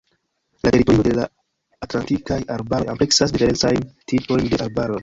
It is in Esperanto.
La teritorio de la Atlantikaj arbaroj ampleksas diferencajn tipojn de arbaroj.